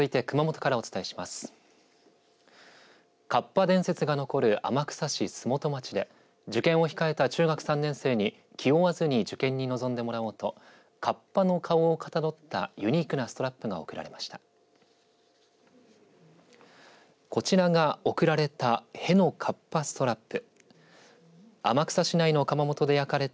かっぱ伝説が残る天草市栖本町で受験を控えた中学３年生に気負わずに受験に臨んでもらおうとかっぱの顔をかたどったユニークなストラップが贈られました。